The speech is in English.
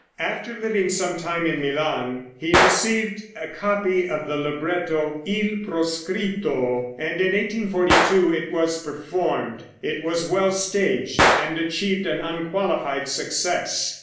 After living some time in Milan, he received a copy of the libretto, "Il Proscritto," and in 1842 it was performed. It was well staged, and achieved an unqualified success.